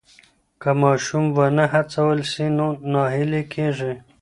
که ماشوم ونه هڅول سي نو ناهیلی کېږي.